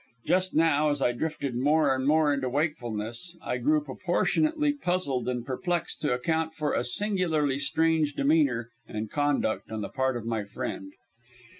Just now, as I drifted more and more into wakefulness, I grew proportionately puzzled and perplexed to account for a singularly strange demeanour and conduct on the part of my friend.